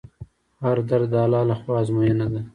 هر درد د الله له خوا ازموینه ده.